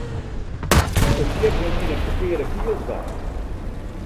It sjit him yn it ferkearde kielsgat.